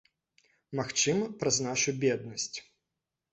Магчыма, праз нашу беднасць.